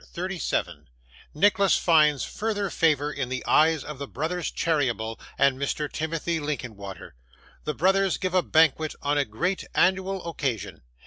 CHAPTER 37 Nicholas finds further Favour in the Eyes of the brothers Cheeryble and Mr. Timothy Linkinwater. The brothers give a Banquet on a great Annual Occasion.